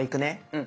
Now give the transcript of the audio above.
うん。